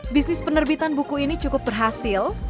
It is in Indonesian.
bisnis penerbitan buku ini cukup berhasil